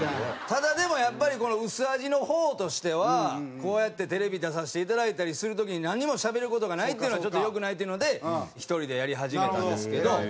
ただでもやっぱりこの薄味の方としてはこうやってテレビ出させていただいたりする時になんにもしゃべる事がないっていうのはちょっと良くないっていうので１人でやり始めたんですけど。